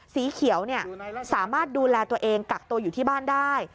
สีเขียวสามารถดูแลตัวเองกักตัวอยู่ที่บ้านได้